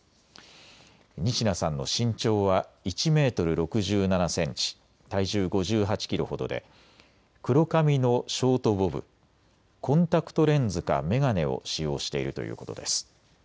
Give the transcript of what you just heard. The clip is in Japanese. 仁科さんの身長は１メートル６７センチ、体重５８キロほどで黒髪のショートボブ、コンタクトレンズか眼鏡を使用しているということです。